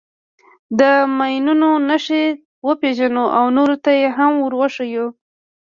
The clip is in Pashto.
د ماینونو نښې وپېژنو او نورو ته یې هم ور وښیو.